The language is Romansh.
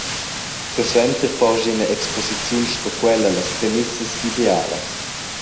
Persuenter porschi ina exposiziun sco quella las premissas idealas.